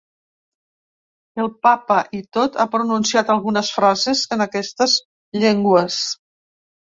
El papa i tot ha pronunciat algunes frases en aquestes llengües.